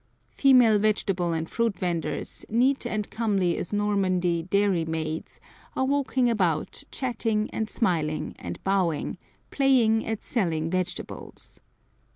Female vegetable and fruit venders, neat and comely as Normandy dairy maids, are walking about chatting and smiling and bowing, "playing at selling vegetables."